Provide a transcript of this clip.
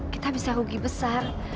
kita bisa rugi besar